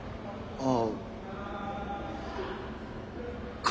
ああ。